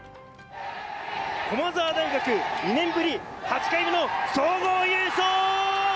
駒澤大学、２年ぶり８回目の総合優勝！